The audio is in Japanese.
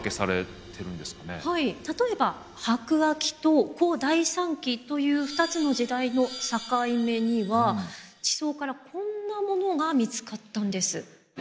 はい例えば白亜紀と古第三紀という２つの時代の境目には地層からこんなものが見つかったんです。